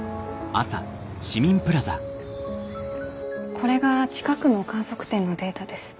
これが近くの観測点のデータです。